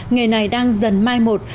nghề này đang dần mai một